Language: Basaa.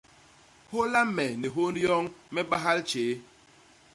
Hôla me ni hônd yoñ, me bahal tjéé.